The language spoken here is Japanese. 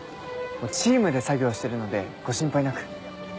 チームで作業してるのでご心配なく。